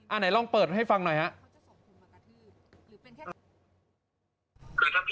อ่าไหนลองเปิดให้ฟังหน่อยครับ